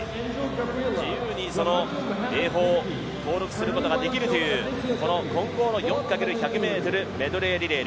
自由に泳法を登録することができるというこの混合４×１００ｍメドレーリレー。